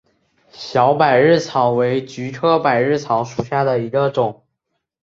小百日草为菊科百日草属下的一个种。